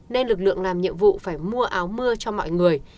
nên lực lượng làm nhiệm vụ phải mua áo mưa cho mọi người